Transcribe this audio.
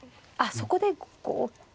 そこでこう。